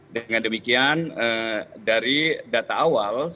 dengan demikian dari data awal